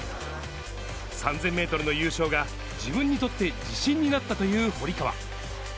３０００メートルの優勝が、自分にとって自信になったという堀川。